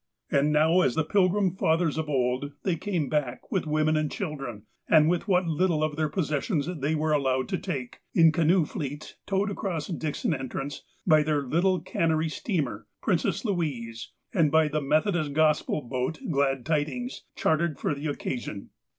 And now, as the pilgrim fathers of 294: THE APOSTLE OF ALASKA old, they came back with women and children, and with what little of their possessions they were allowed to take, in canoe fleets, towed across Dixon Entrance, by their little cannery steamer, Princess Louise, and by the Methodist Gospel boat. Glad Tidings, chartered for the occasion.